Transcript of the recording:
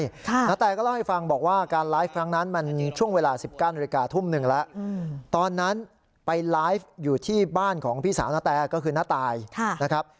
นาแตก็เล่าให้ฟังบอกว่าการไลฟ์ครั้งนั้นมันช่วงเวลา๑๙นาฬิกาทุ่มหนึ่งแล้วตอนนั้นไปไลฟ์อยู่ที่บ้านของพี่สาวนาแตก็คือน้าตายนะครับ